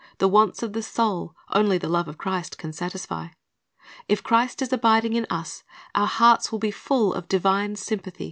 The wants of the soul, only the love of Christ can satisfy. If Christ is abiding in us, our hearts will be full of di\ ine sympath)'.